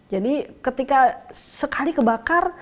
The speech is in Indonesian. jadi ketika sekali kebakar